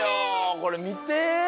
これみて！